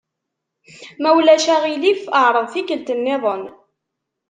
Ma ulac aɣilif εreḍ tikkelt-nniḍen.